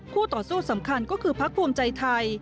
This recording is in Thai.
ต่อสู้สำคัญก็คือพักภูมิใจไทย